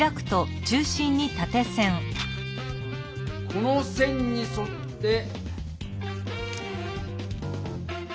この線にそっておる。